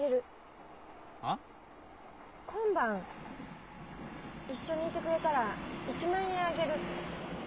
今晩一緒にいてくれたら１万円あげる。